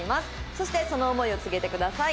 そしてその思いを告げてください。